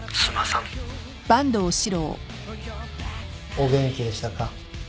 お元気でしたか？